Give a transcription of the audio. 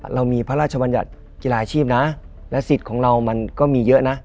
เรามีพระราชบัญญัติกีฬาอาชีพนะและสิทธิ์ของเรามันก็มีเยอะนะ